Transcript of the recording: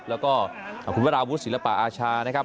แล้วก็ครับคุณพระราบุรสศิลปะอาชานะครับ